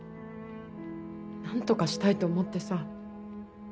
何とかしたいと思ってさ。